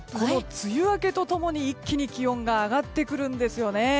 梅雨明けと共に一気に気温が上がってくるんですよね。